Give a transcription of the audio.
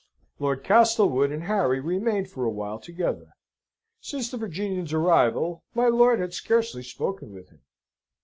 Lord Castlewood and Harry remained for a while together. Since the Virginian's arrival my lord had scarcely spoken with him.